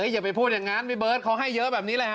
อย่าไปพูดอย่างนั้นพี่เบิร์ตเขาให้เยอะแบบนี้แหละฮ